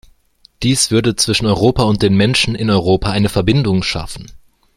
Dies würde zwischen Europa und den Menschen in Europa eine Verbindung schaffen.